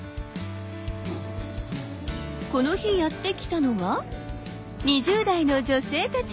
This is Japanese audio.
この日やって来たのは２０代の女性たち。